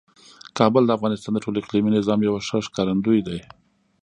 کابل د افغانستان د ټول اقلیمي نظام یو ښه ښکارندوی دی.